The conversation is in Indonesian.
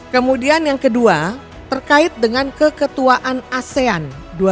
kemudian yang kedua terkait dengan keketuaan asean dua ribu dua puluh